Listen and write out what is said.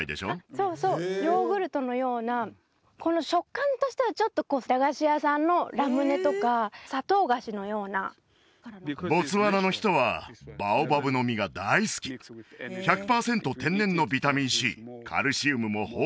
そうそうヨーグルトのようなこの食感としてはちょっとこう駄菓子屋さんのラムネとか砂糖菓子のようなボツワナの人はバオバブの実が大好きあれ恋が生まれてるんじゃない？